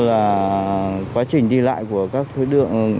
và quá trình đi lại của các đối tượng